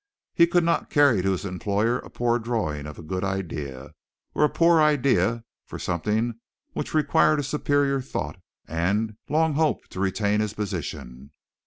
He could not carry to his employer a poor drawing of a good idea, or a poor idea for something which required a superior thought, and long hope to retain his position.